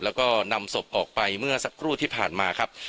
แล้วก็นำศพออกไปเมื่อสักครู่ที่ผ่านมาครับ